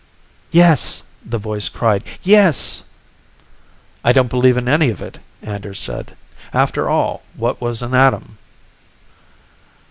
"Yes!" the voice cried. "Yes!" "I don't believe in any of it," Anders said. After all, what was an atom?